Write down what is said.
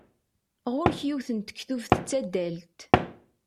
Ɣur-k yiwet n tektubt d tadalt.